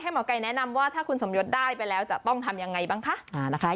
หมอไก่แนะนำว่าถ้าคุณสมยศได้ไปแล้วจะต้องทำยังไงบ้างคะ